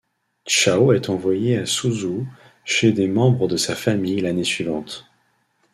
Chao est envoyé à Suzhou chez des membres de sa famille l’année suivante.